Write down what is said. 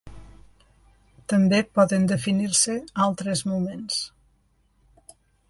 També poden definir-se altres moments.